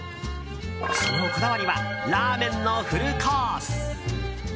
そのこだわりはラーメンのフルコース。